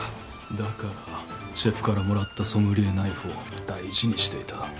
だからシェフからもらったソムリエナイフを大事にしていた。